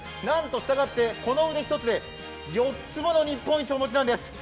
なんとしたがってこの腕一つで４つもの日本一をお持ちなんです。